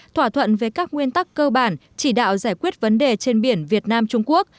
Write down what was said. thỏa thuận về các nguyên tắc cơ bản chỉ đạo giải quyết vấn đề trên biển việt nam trung quốc